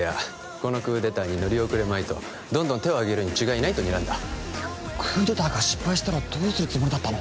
このクーデターに乗り遅れまいとどんどん手を挙げるに違いないとにらんだクーデターが失敗したらどうするつもりだったの？